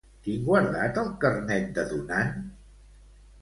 Tinc guardat el carnet de donant?